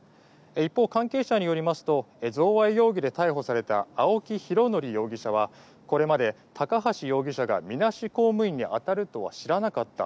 一方、関係者によりますと贈賄容疑で逮捕された青木拡憲容疑者はこれまで高橋容疑者がみなし公務員に当たるとは知らなかった。